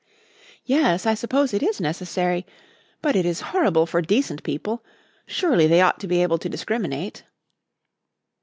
"Yes, I suppose it is necessary, but it is horrible for decent people. Surely they ought to be able to discriminate."